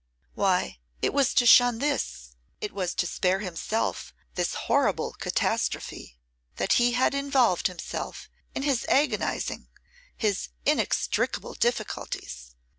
Why, it was to shun this, it was to spare himself this horrible catastrophe, that he had involved himself in his agonising, his inextricable difficulties.